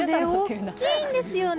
大きいですよね。